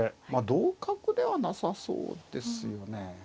同角ではなさそうですよね。